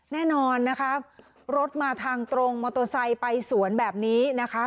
แน่นอนนะคะรถมาทางตรงมอเตอร์ไซค์ไปสวนแบบนี้นะคะ